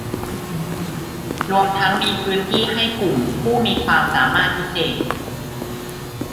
รวมทั้งมีพื้นที่ให้กลุ่มผู้มีความสามารถพิเศษ